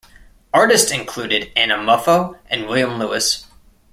Artists included Anna Moffo and William Lewis.